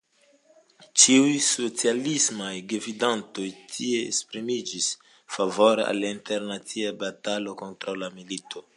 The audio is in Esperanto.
Ĉiuj socialismaj gvidantoj tie esprimiĝis favore al internacia batalo kontraŭ la milito.